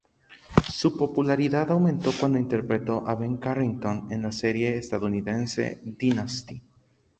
Su popularidad aumentó cuando interpretó a Ben Carrington en la serie estadounidense "Dynasty".